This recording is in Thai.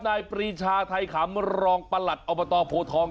ปรีชาไทยขำรองประหลัดอบตโพทอง